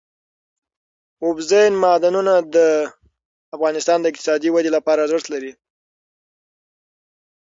اوبزین معدنونه د افغانستان د اقتصادي ودې لپاره ارزښت لري.